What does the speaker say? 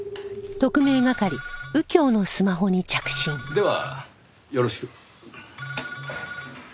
ではよろしく。